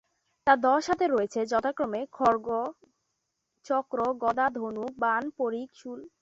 তার দশ হাতে রয়েছে যথাক্রমে খড়্গ, চক্র, গদা, ধনুক, বাণ, পরিঘ, শূল, ভূসুণ্ডি, নরমুণ্ড ও শঙ্খ।